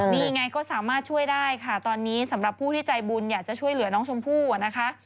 นี่ไงก็สามารถช่วยได้ค่ะตอนนี้สำหรับผู้ที่ใจบุญอยากจะช่วยเหลือน้องชมพู่นะคะ